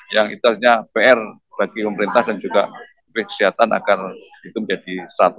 yang itunya pr bagi pemerintah dan juga bpjs kesehatan akan itu menjadi seratus